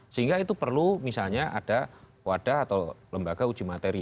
sehingga itu perlu misalnya ada wadah atau lembaga uji materi